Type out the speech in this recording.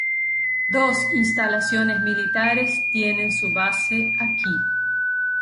Dos instalaciones militares tienen su base aquí.